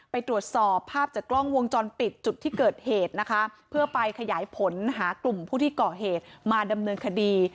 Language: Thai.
ไปตรวจสอบภาพจากกล้องวงจรปิดจุดที่เกิดเหตุนะคะเพื่อไปขยายผลหากลุ่มผู้ที่ก่อเหตุมาดำเนินคดี